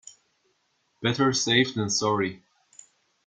Better safe than sorry.